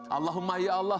allahumma ya allah